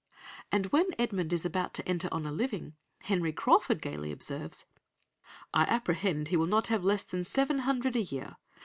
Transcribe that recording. '" And when Edmund is about to enter on the living, Henry Crawford gaily observes, "'I apprehend he will not have less than seven hundred a year.